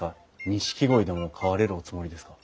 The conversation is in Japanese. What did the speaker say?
ニシキゴイでも飼われるおつもりですか？